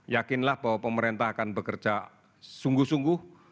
yakinlah bahwa pemerintah akan bekerja sungguh sungguh